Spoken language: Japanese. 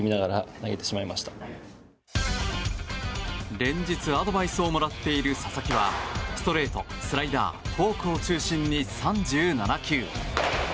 連日、アドバイスをもらっている佐々木はストレート、スライダーフォークを中心に３７球。